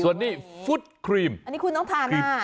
ส่วนนี้ฟุตครีมอันนี้คุณต้องทาหน้า